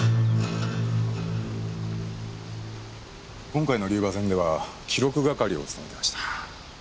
今回の龍馬戦では記録係を務めていました。